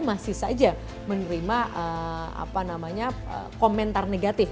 masih saja menerima komentar negatif